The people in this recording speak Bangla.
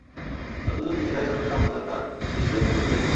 যতদূর দৃষ্টি যায় সৈন্যদের অগ্রযাত্রার দৃশ্যই শুধু দেখতে পান।